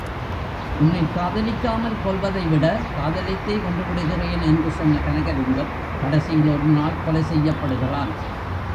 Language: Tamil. உன்னைக் காதலிக்காமல் கொல்வதைவிட காதலித்தே கொன்றுவிடுகிறேன்! என்று சொன்ன கனகலிங்கம், கடைசியில் ஒரு நாள் கொலை செய்யப்படுகிறான்.